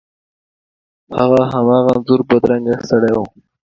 هغه هماغه د انځور بدرنګه سړی و.